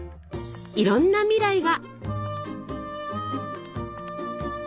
いろんな未来が。